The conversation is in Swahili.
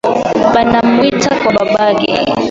Banamuita kwa babayake